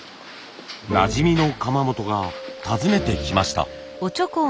なじみの窯元が訪ねてきました。